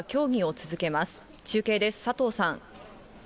中継です、佐藤さん。